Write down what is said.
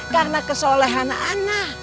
karena kesolehan ana